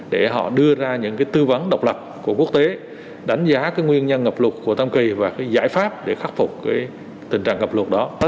để họ đưa ra những tư vấn độc lập của quốc tế đánh giá cái nguyên nhân ngập lụt của tam kỳ và cái giải pháp để khắc phục tình trạng ngập lụt đó